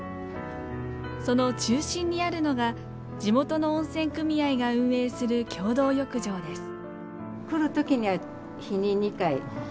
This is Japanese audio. その中心にあるのが地元の温泉組合が運営する共同浴場です。